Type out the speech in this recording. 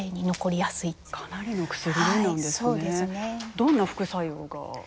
どんな副作用が？